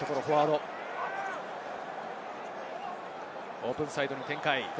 オープンサイドに展開。